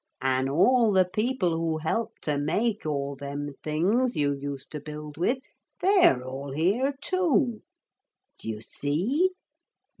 An' all the people who helped to make all them things you used to build with, they're all here too. D'you see?